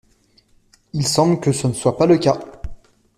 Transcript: Il semble que ce ne soit pas le cas.